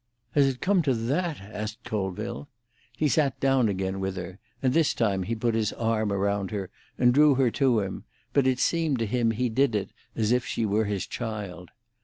"Has it come to that?" asked Colville. He sat down again with her, and this time he put his arm around her and drew her to him, but it seemed to him he did it as if she were his child.